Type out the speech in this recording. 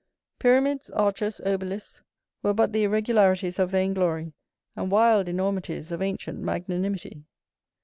Pyramids, arches, obelisks, were but the irregularities of vain glory, and wild enormities of ancient magnanimity.